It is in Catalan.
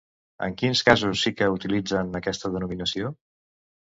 En quins casos sí que utilitzen aquesta denominació?